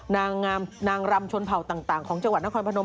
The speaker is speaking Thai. นางงามนางรำชนเผ่าต่างของจังหวัดนครพนม